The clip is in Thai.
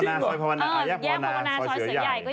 พวกนาชอยพวนาอายะพวนาชอยเสือใหญ่